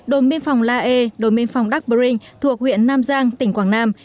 đồn biên phòng la e đồn biên phòng đắc brinh thuộc huyện nam giang tỉnh quảng nam